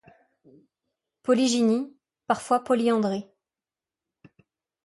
Polygynie, parfois polyandrie.